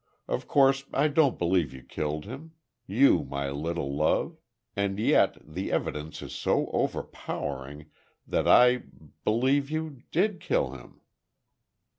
Of course I don't believe you killed him! You, my little love! And yet, the evidence is so overpowering that I—believe you did kill him!